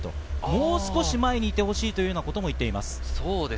もう少し前に行ってほしいということも言っています。